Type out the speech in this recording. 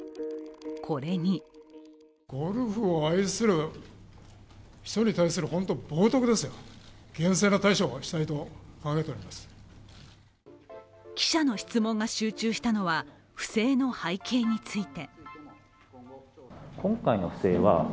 これに記者の質問が集中したのは不正の背景について。